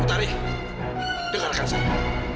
otari dengarkan saya